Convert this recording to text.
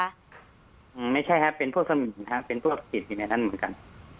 ไม่ใช่ครับเป็นพวกสมิงครับเป็นพวกติดอยู่ในนั้นเหมือนกัน